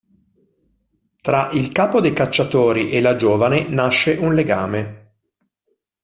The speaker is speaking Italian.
Tra il capo dei cacciatori e la giovane nasce un legame.